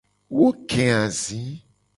Wo ke azi.